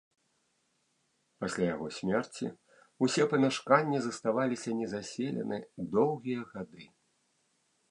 Пасля яго смерці ўсе памяшканні заставаліся незаселены доўгія гады.